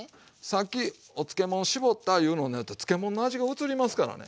さっきお漬物絞ったいうのやったら漬物の味がうつりますからね。